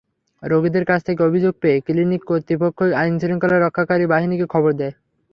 রোগীদের কাছ থেকে অভিযোগ পেয়ে ক্লিনিক কর্তৃপক্ষই আইনশৃঙ্খলা রক্ষাকারী বাহিনীকে খবর দেয়।